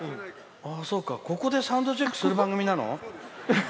ここでサウンドチェックする番組なの？